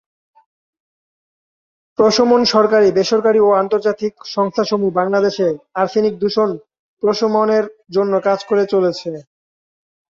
প্রশমন সরকারি, বেসরকারি ও আন্তর্জাতিক সংস্থাসমূহ বাংলাদেশে আর্সেনিক দূষণ প্রশমনের জন্য কাজ করে চলেছে।